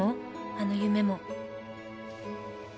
あの夢も。